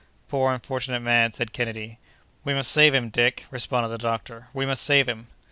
"Poor, unfortunate man!" said Kennedy. "We must save him, Dick!" responded the doctor; "we must save him!"